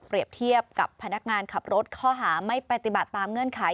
เทียบกับพนักงานขับรถข้อหาไม่ปฏิบัติตามเงื่อนไข